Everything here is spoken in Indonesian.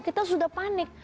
kita sudah panik